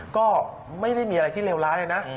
ก็ไม่ได้มีอะไรที่เลวร้ายเลยนะ